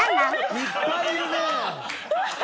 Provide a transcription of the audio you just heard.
いっぱいいるねえ。